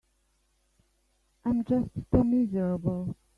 I'm just too miserable.